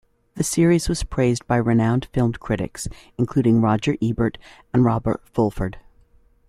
The series was praised by renowned film critics, including Roger Ebert and Robert Fulford.